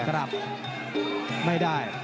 กลับไม่ได้